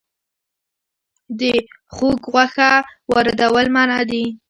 د خوګ غوښه واردول منع دي